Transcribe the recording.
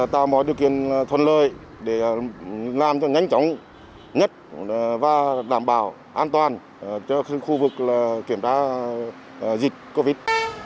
tạo mọi điều kiện thuận lợi để làm cho nhanh chóng nhất và đảm bảo an toàn cho khu vực kiểm tra dịch covid